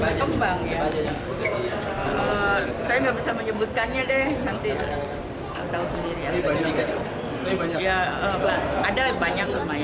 ada banyak lumayan